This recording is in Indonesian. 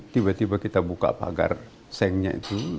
tiba tiba kita buka pagar sengnya itu